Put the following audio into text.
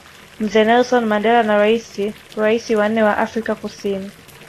Mzee Nelson Mandela na raisi Rais wa nne wa Afrika kusini